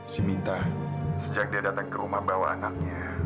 si minta sejak dia datang ke rumah bawa anaknya